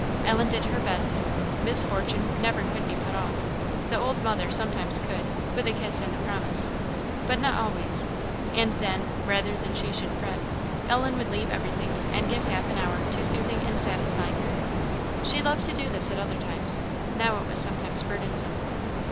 Ellen did her best. Miss Fortune never could be put off; her old mother sometimes could, with a kiss and a promise but not always; and then, rather than she should fret, Ellen would leave everything, and give half an hour to soothing and satisfying her. She loved to do this at other times; now it was sometimes burdensome.